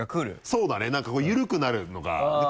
そうだねなんか緩くなるのがで